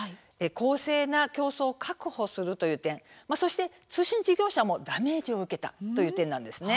公正な競争を確保するという点、そして通信事業者もダメージを受けたという点なんです。